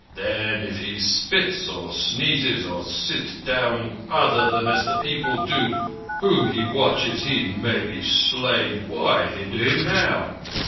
Then, if he spits, or sneezes, or sits down other than as the people do whom he watches, he may be slain. Why hinder him now?